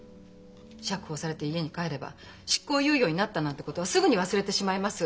釈放されて家に帰れば執行猶予になったなんてことはすぐに忘れてしまいます。